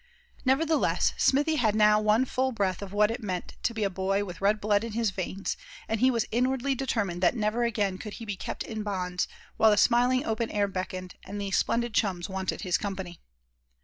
Nevertheless, Smithy had now had one full breath of what it meant to be a boy with red blood in his veins; and he was inwardly determined that never again could he be kept in bonds, while the smiling open air beckoned, and these splendid chums wanted his company.